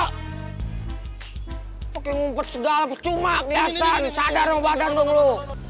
lo kayak ngumpet segala kecuma kelihatan sadar dong badan lo